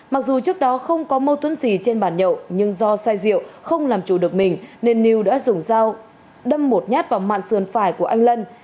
mặc dù trước đó không có mâu thuẫn gì trên bàn nhậu nhưng do say rượu không làm chủ được mình nên lưu đã dùng dao đâm một nhát vào mạng sườn phải của anh lân